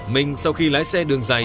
minh sau khi lái xe đường dài